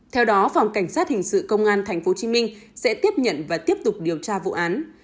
theo đó phòng cảnh sát hình sự công an tp hcm sẽ tiếp nhận và tiếp tục điều tra vụ án